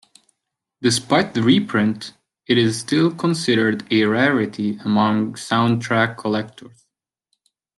Despite the reprint, it is still considered a rarity among soundtrack collectors.